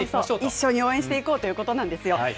一緒に応援していこうということなんですよ。